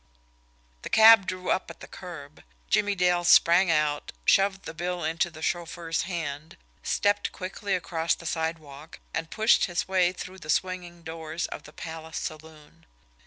The cab drew up at the curb. Jimmie Dale sprang out, shoved the bill into the chauffeur's hand, stepped quickly across the sidewalk, and pushed his way through the swinging doors of the Palace Saloon.